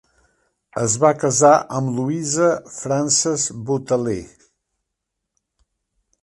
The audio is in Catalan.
Es va casar amb Louisa Frances Boteler.